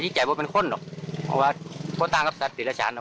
จิตใจว่าเป็นคนล่ะว่าโทษต่างรับสัตว์อีระชาญล่ะ